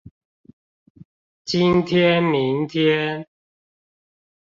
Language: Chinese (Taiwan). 今天明天